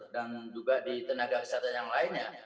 dan juga di tenaga kesehatan yang lainnya